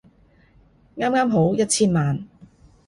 啱啱好一千萬